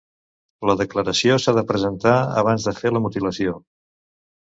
La declaració s'ha de presentar abans de fer la mutilació.